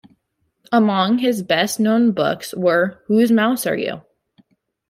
Among his best known books were Whose Mouse Are You?